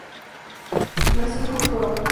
Nació en Hong Kong.